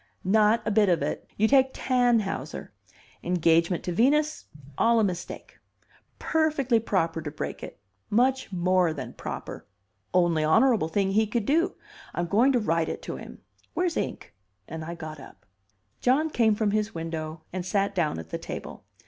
"Not a bit of it. You take Tannhauser. Engagement to Venus all a mistake. Perfectly proper to break it. Much more than proper. Only honorable thing he could do. I'm going to write it to him. Where's ink?" And I got up. John came from his window and sat down at the table.